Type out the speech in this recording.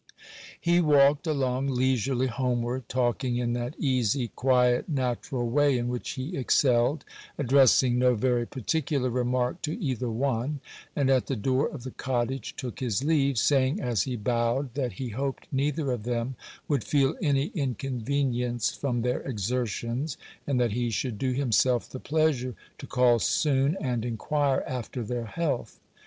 He walked along leisurely homeward, talking in that easy, quiet, natural way in which he excelled, addressing no very particular remark to either one, and at the door of the cottage took his leave, saying, as he bowed, that he hoped neither of them would feel any inconvenience from their exertions, and that he should do himself the pleasure to call soon, and inquire after their health.